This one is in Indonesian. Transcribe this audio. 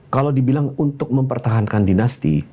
kalau dibilang untuk mempertahankan dinasti